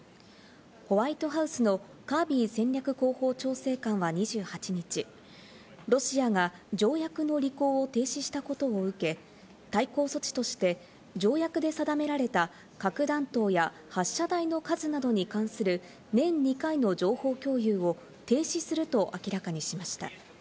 ホワイトハウスのカービー戦略広報調査官は２８日、ロシアが条約の履行を停止したことを受け、対抗措置として条約で定められた核弾頭や発射台の数などに関する年２回の情報共有を停止すると明らかにしました。